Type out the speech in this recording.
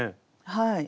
はい。